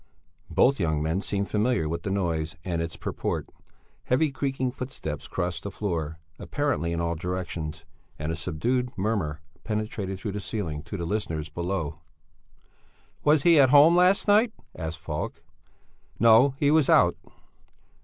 Both young men seemed familiar with the noise and its purport. Heavy, creaking footsteps crossed the floor, apparently in all directions, and a subdued murmur penetrated through the ceiling to the listeners below. "Was he at home last night?" asked Falk. "No, he was out."